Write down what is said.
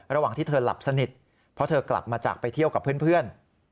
ระหว่างที่เธอหลับสนิทเพราะเธอกลับมาจากไปเที่ยวกับเพื่อน